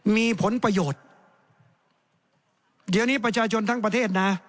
มีผลประโยชน์เดี๋ยวนี้ประชาชนทั้งประเทศนะ